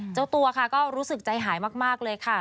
เจ้าตัวค่ะก็รู้สึกใจหายมากเลยค่ะ